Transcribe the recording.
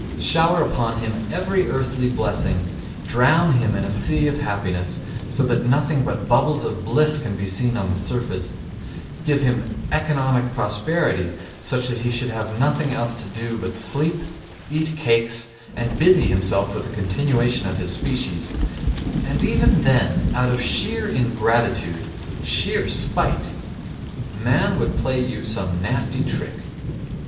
Shower upon him every earthly blessing, drown him in a sea of happiness, so that nothing but bubbles of bliss can be seen on the surface; give him economic prosperity, such that he should have nothing else to do but sleep, eat cakes and busy himself with the continuation of his species, and even then out of sheer ingratitude, sheer spite, man would play you some nasty trick.